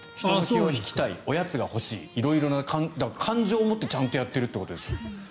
人の気を引きたいおやつが欲しい感情を持ってちゃんとやってるってことです。